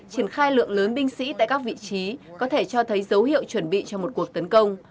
triển khai lượng lớn binh sĩ tại các vị trí có thể cho thấy dấu hiệu chuẩn bị cho một cuộc tấn công